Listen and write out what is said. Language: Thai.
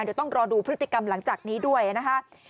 เดี๋ยวต้องรอดูพฤติกรรมหลังจากนี้ด้วยนะคะ